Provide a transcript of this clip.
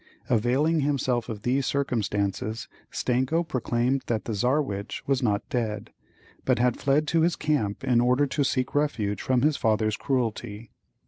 Availing himself of these circumstances, Stenko proclaimed that the Czarewitch was not dead, but had fled to his camp in order to seek refuge from his father's cruelty.